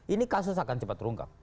ini kasus akan cepat terungkap